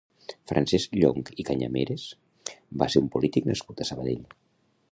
Francesc Llonch i Cañameras va ser un polític nascut a Sabadell.